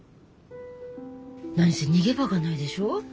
何せ逃げ場がないでしょ？